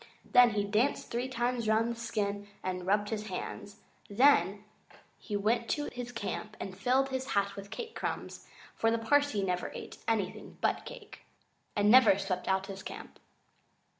Then he danced three times round the skin and rubbed his hands. Then he went to his camp and filled his hat with cake crumbs, for the Parsee never ate anything but cake, and never swept out his camp.